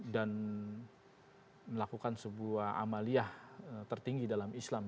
dan melakukan sebuah amaliyah tertinggi dalam islam